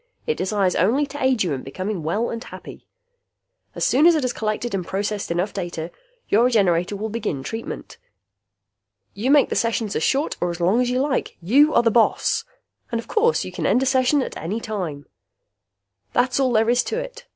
It desires only to aid you in becoming well and happy. As soon as it has collected and processed enough data, your Regenerator will begin treatment. You make the sessions as short or as long as you like. You are the boss! And of course you can end a session at any time. That's all there is to it!